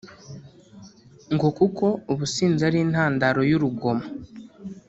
ngo kuko ubusinzi ari intandaro y’urugomo